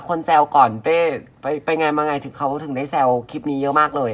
แซวก่อนเป้ไปไงมาไงถึงเขาถึงได้แซวคลิปนี้เยอะมากเลย